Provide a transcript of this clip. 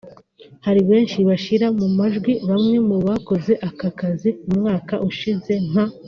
hari benshi bashyira mu majwi bamwe mu bakoze aka kazi umwaka ushize nka